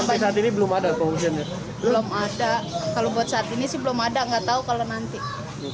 kalau buat saat ini sih belum ada nggak tahu kalau nanti